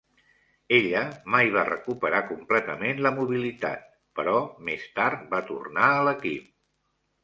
Ella mai va recuperar completament la mobilitat però més tard va tornar a l'equip.